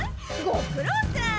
ごくろうさん。